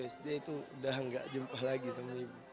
sd itu udah gak jumpa lagi sama ibu